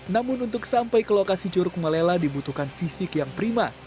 namun untuk sampai ke lokasi curug malela dibutuhkan fisik yang prima